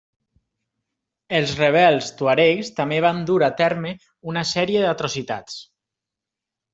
Els rebels tuaregs també van dur a terme una sèrie d'atrocitats.